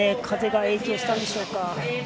風が影響したんでしょうか。